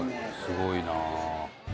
すごいなぁ。